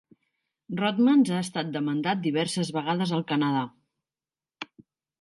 Rothmans ha estat demandat diverses vegades al Canadà.